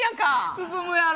進むやろ。